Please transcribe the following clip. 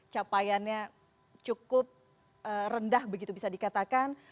capaiannya cukup rendah begitu bisa dikatakan